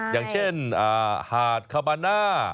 อย่างเช่นหาดคาบาน่า